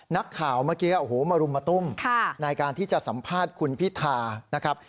นักข่าวเมื่อกี้โอ้โหมารุมมาตุ้มในการที่จะสัมภาษณ์คุณพิธานะครับ